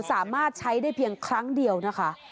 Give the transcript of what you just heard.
สามารถใช้ได้เพียงครั้งเดียวนะคะ